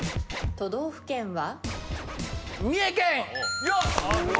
都道府県は？